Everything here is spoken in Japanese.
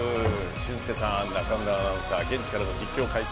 俊輔さん、中村アナウンサー現地からの実況・解説